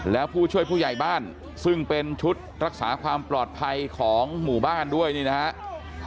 แล้วผู้ช่วยผู้ใหญ่บ้านซึ่งเป็นชุดรักษาความปลอดภัยของหมู่บ้านด้วยนี่นะครับ